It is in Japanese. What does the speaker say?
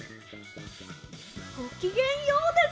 ごきげんＹＯです！